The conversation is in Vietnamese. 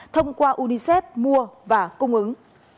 thông qua unicef mua và cung ứng